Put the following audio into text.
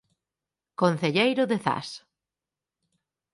Concelleiro de Zas.